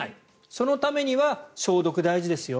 そのためには消毒大事ですよ。